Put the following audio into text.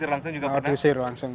kalau enggak ya mau dusir langsung